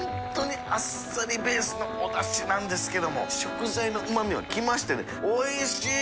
榲筿あっさりベースのお出汁なんですけども爐うま味は来ましたね。